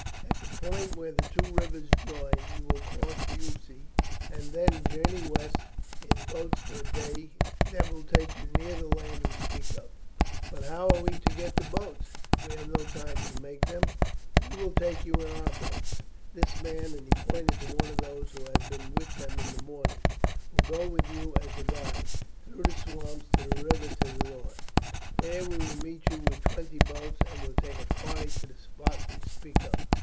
At the point where the two rivers join you will cross the Ouse, and then journey west in boats for a day; that will take you near the land we speak of." "But how are we to get the boats? We have no time to make them." "We will take you in our boats. This man," and he pointed to one of those who had been with them in the morning, "will go with you as a guide through the swamps to the river to the north. There we will meet you with twenty boats, and will take a party to the spot we speak of.